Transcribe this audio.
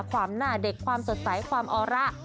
ความหน้าเด็กความสดใสความออระ